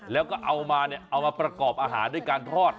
แล้วก็เอามาเนี่ยเอามาประกอบอาหารด้วยการทอด